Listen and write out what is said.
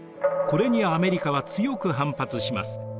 これにアメリカは強く反発します。